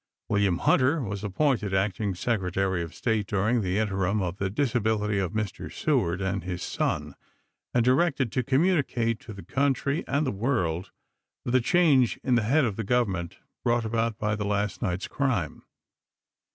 William Hunter was appointed Acting Secretary of State during the interim of the disability of Mr. Seward and his son, and directed to communicate to the country and the world the change in the head of the Gov ernment brought about by the last night's crime.